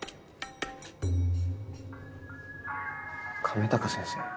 亀高先生。